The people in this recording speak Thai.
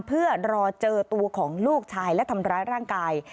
เพื่อรอเจอตัวของลูกชายและทำร้ายร่างกาย